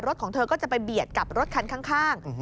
ของเธอก็จะไปเบียดกับรถคันข้าง